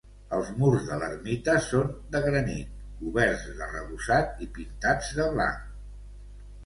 Els murs de l'ermita són de granit, coberts d'arrebossat i pintats de blanc.